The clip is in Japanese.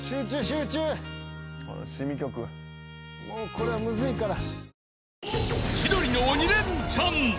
これはムズいから。